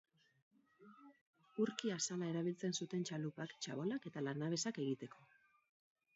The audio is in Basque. Urki-azala erabiltzen zuten txalupak, txabolak eta lanabesak egiteko.